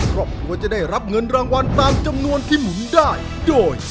ครอบครัวจะได้รับเงินรางวัลตามจำนวนที่หมุนได้โดย